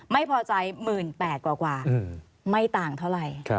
ไม่พอใจ๑๘๐๐กว่าไม่ต่างเท่าไหร่